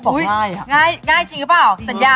ได้ค่ะง่ายมากเลยค่ะ